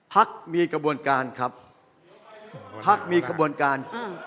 พักมีกระบวนการครับพักมีขบวนการอืม